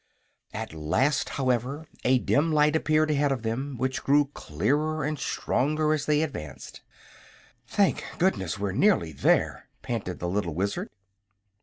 At last, however, a dim light appeared ahead of them, which grew clearer and stronger as they advanced. "Thank goodness we're nearly there!" panted the little Wizard.